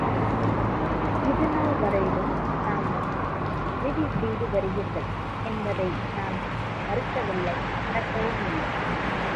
இது நாள் வரையிலும் தாங்கள் எனக்கு உதவி செய்து வந்திருக்கிறீர்கள் என்பதை நான் மறுக்கவில்லை மறக்கவும் இல்லை.